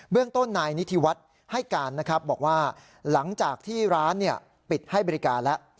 เรื่องต้นนายนิธิวัฒน์ให้การนะครับบอกว่าหลังจากที่ร้านปิดให้บริการแล้ว